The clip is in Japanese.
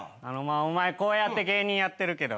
お前こうやって芸人やってるけど。